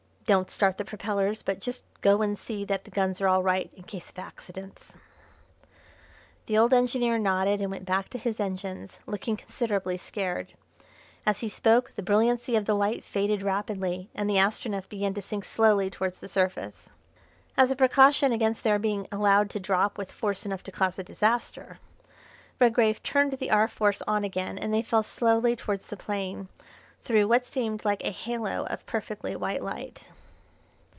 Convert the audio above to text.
Don't start the propellers, but just go and see that the guns are all right in case of accidents." The old engineer nodded and went back to his engines, looking considerably scared. As he spoke the brilliancy of the light faded rapidly, and the Astronef began to sink slowly towards the surface. As a precaution against their being allowed to drop with force enough to cause a disaster, Redgrave turned the R. Force on again and they fell slowly towards the plain, through what seemed like a halo of perfectly white light.